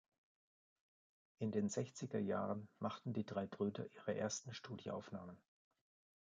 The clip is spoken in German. In den Sechzigerjahren machten die drei Brüder ihre ersten Studioaufnahmen.